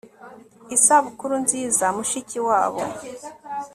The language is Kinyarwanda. isabukuru nziza, mushikiwabo